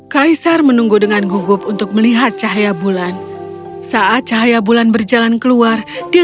kaisar menunggu dengan gugup untuk melihat cahaya bulan saat cahaya bulan berjalan keluar dia